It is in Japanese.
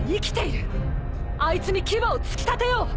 あいつに牙を突き立てよう！